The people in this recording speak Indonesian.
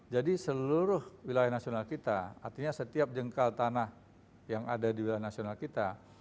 jadi seluruh wilayah nasional kita artinya setiap jengkal tanah yang ada di wilayah nasional kita